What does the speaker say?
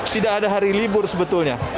tidak ada hari libur sebetulnya